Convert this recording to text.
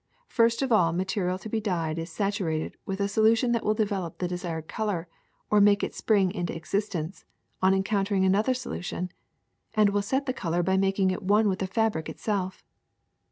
First the material to be dyed is sat urated with a solution that will develop the desired color, or make it spring into existence, on encounter ing another solution, and will set the color by mak ing it one with the fabric itself.